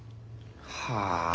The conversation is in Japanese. はあ？